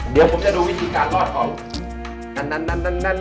เดี๋ยวผมจะดูวิธีการรอดของ